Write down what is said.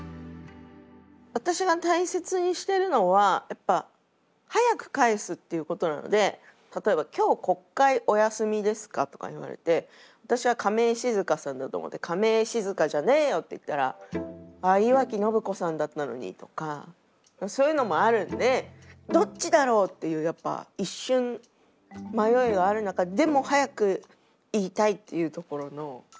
私が大切にしてるのはやっぱ早く返すっていうことなので例えば「今日国会お休みですか？」とか言われて私は亀井静香さんだと思って「亀井静香じゃねえよ！」って言ったら「ああ井脇ノブ子さんだったのに」とかそういうのもあるんでどっちだろうっていうやっぱ一瞬迷いがある中ででも早く言いたいっていうところの。